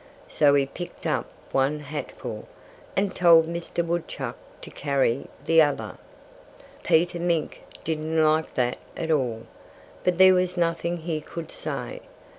So he picked up one hatful, and told Mr. Woodchuck to carry the other. Peter Mink didn't like that at all. But there was nothing he could say.